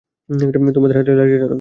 তোমার হাতের লাঠিটা নাও।